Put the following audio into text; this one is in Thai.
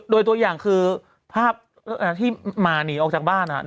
โดยตัวอย่างคือภาพที่หมาหนีออกจากบ้าน